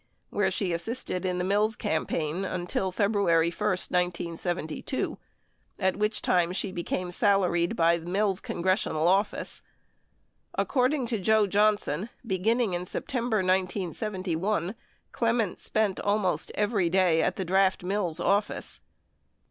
where she assisted in the Mills campaign until February 1, 1972, at which time she became salaried by Mills congressional office. Accord ing to Joe Johnson, beginning in September 1971, Clement spent al most every day at the Draft Mills office.